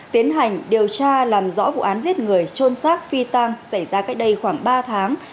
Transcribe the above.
tiến hành điều tra làm rõ vụ án giết người trôn xác phi tang xảy ra cách đây khoảng ba tháng